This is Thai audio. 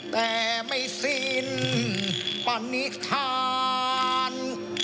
แต่ไม่สิ้นปณิธาน